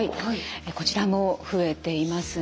こちらも増えていますね。